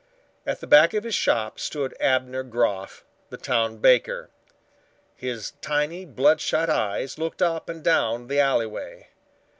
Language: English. At the back of his shop stood Abner Groff, the town baker. His tiny bloodshot eyes looked up and down the alleyway.